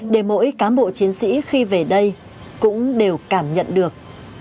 để mỗi cán bộ chiến sĩ khi về đây cũng đều cảm nhận được